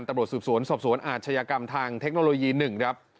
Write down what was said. ตำรวจสืบสวนสอบสวนอาชญากรรมทางเทคโนโลยี๑ครับ